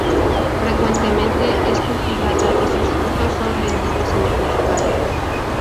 Frecuentemente es cultivada y sus frutos son vendidos en el mercado.